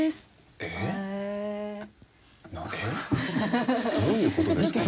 えっ？どういう事ですか？